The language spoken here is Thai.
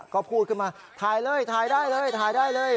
ก็พูดขึ้นมาถ่ายเลยถ่ายได้เลยถ่ายได้เลย